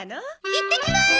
いってきまーす！